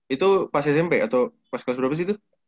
itu pas smp atau pas kelas berapa sih itu